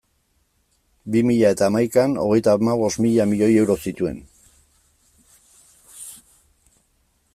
Bi mila eta hamaikan, hogeita hamabost mila milioi euro zituen.